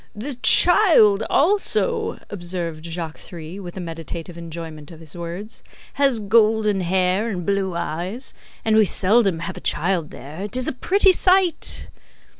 "The child also," observed Jacques Three, with a meditative enjoyment of his words, "has golden hair and blue eyes. And we seldom have a child there. It is a pretty sight!"